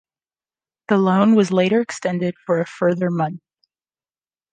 The loan was later extended for a further month.